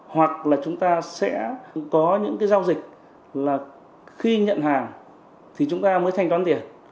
hoặc là chúng ta sẽ có những cái giao dịch là khi nhận hàng thì chúng ta mới thanh toán tiền